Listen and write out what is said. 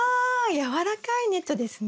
やわらかいネットですね？